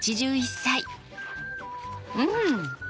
うん！